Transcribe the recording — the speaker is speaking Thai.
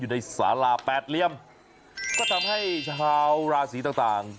อยู่ในสาระแปดเลี่ยมก็ทำให้ชาวราศีต่าง